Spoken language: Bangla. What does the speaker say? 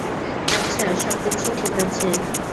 আচ্ছা, সবকিছু ঠিক আছে।